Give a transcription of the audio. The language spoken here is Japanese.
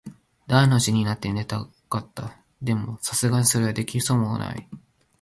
大の字になって寝たかった。でも、流石にそれはできそうもない。